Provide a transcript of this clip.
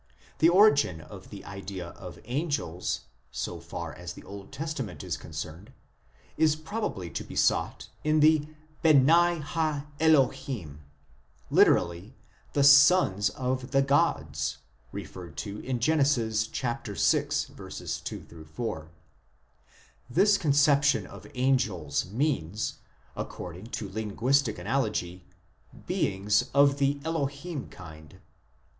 The origin of the idea of angels, so far as the Old Testament is concerned, is probably to be sought in the " Beni ha Elohim," lit. " the sons of the gods," referred to in Gen. vi. 2 4 l ; this conception of angels means, according to linguistic analogy, " beings of the Elohim kind."